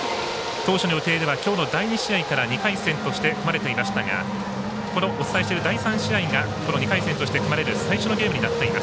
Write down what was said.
当初の予定ではきょうの第２試合から２回戦として組まれていましたがお伝えしている第３試合がこの２回戦として組まれる最初のゲームになっています。